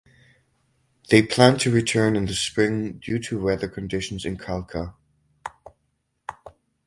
They planned to return in the Spring due to weather conditions in Khalkha.